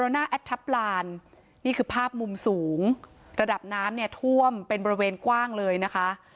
นี่คือภาพมุมสูงระดับน้ำท่วมเป็นบริเวณกว้างเลยนะคะ